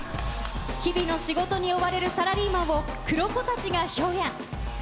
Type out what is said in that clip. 日々の仕事に追われるサラリーマンを黒子たちが表現。